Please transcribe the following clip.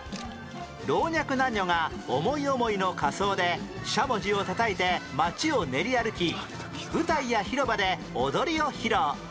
老若男女が思い思いの仮装でしゃもじをたたいて街を練り歩き舞台や広場で踊りを披露